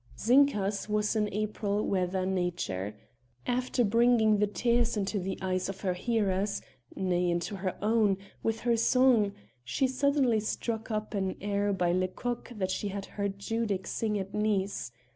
Zinka's was an April weather nature. After bringing the tears into the eyes of her hearers, nay into her own, with her song, she suddenly struck up an air by Lecocq that she had heard Judic sing at Nice.